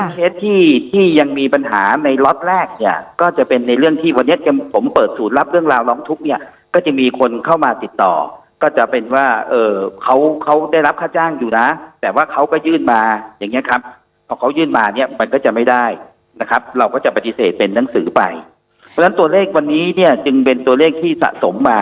เคสที่ที่ยังมีปัญหาในล็อตแรกเนี่ยก็จะเป็นในเรื่องที่วันนี้ผมเปิดศูนย์รับเรื่องราวร้องทุกข์เนี่ยก็จะมีคนเข้ามาติดต่อก็จะเป็นว่าเอ่อเขาเขาได้รับค่าจ้างอยู่นะแต่ว่าเขาก็ยื่นมาอย่างเงี้ครับพอเขายื่นมาเนี่ยมันก็จะไม่ได้นะครับเราก็จะปฏิเสธเป็นหนังสือไปเพราะฉะนั้นตัวเลขวันนี้เนี่ยจึงเป็นตัวเลขที่สะสมมา